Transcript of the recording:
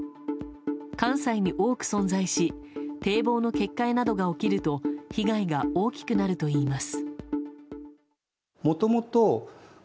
関西に多く存在し堤防の決壊などが起きると被害が大きくなるといいます。